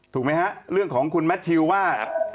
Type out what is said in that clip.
ถูกไหมฮะเรื่องของคุณแมททิวว่า